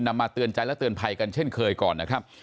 มาเตือนใจและเตือนภัยกันเช่นเคยก่อนนะครับ